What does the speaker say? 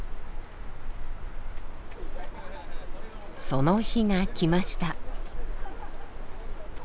その日が来ました。